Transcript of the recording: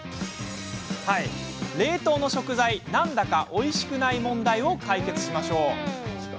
冷凍の食材なんだかおいしくない問題を解決しましょう。